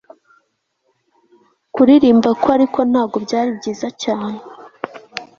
kuririmba kwe ariko, ntabwo byari byiza cyane